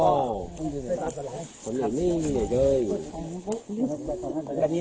อ๋อนี่นี่ใหญ่เจ้ย